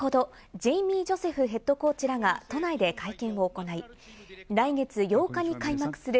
先ほど、ジェイミー・ジョセフヘッドコーチらが都内で会見を行い、来月８日に開幕する、